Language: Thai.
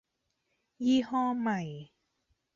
ยี่ห้อใหม่